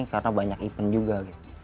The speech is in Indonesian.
karena banyak event juga gitu